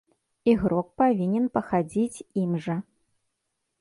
Ігрок павінен пахадзіць ім жа.